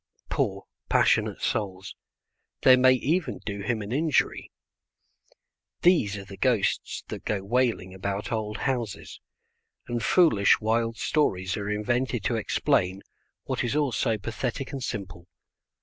Poor, passionate souls, they may even do him an injury. These are the ghosts that go wailing about old houses, and foolish wild stories are invented to explain what is all so pathetic and simple.